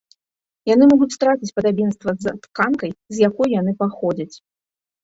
Яны могуць страціць падабенства з тканкай, з якой яны паходзяць.